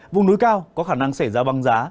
vùng núi cao có khả năng xảy ra băng giá